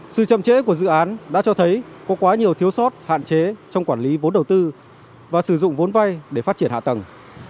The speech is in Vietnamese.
sự chậm trễ của dự án đã cho thấy có quá nhiều thiếu sót hạn chế trong quản lý vốn đầu tư và sử dụng vốn vay để phát triển hạ tầng